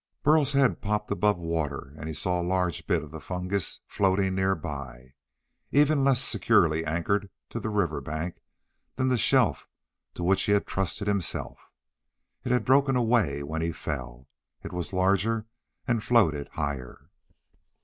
Burl's head popped above water and he saw a larger bit of the fungus floating nearby. Even less securely anchored to the river bank than the shelf to which he had trusted himself, it had broken away when he fell. It was larger and floated higher.